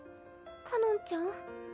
かのんちゃん？